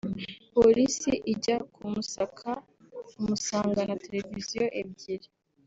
polisi ijya kumusaka imusangana Televiziyo ebyiri